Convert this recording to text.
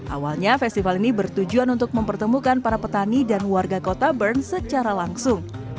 awalnya festival ini bertujuan untuk mempertemukan para petani dan warga kota bern secara langsung